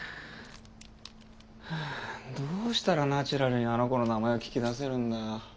はあどうしたらナチュラルにあの子の名前を聞き出せるんだよ。